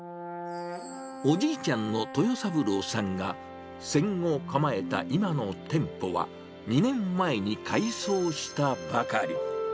おじいちゃんの豊三郎さんが、戦後構えた今の店舗は、２年前に改装したばかり。